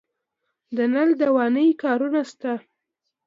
د نل دوانۍ کارونه شته